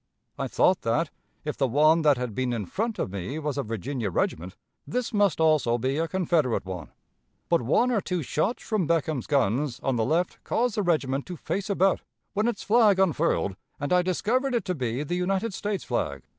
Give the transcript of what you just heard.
I thought that, if the one that had been in front of me was a Virginia regiment, this must also be a Confederate one; but one or two shots from Beckham's guns on the left caused the regiment to face about, when its flag unfurled, and I discovered it to be the United States flag.